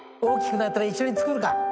大きくなったら一緒に作るか。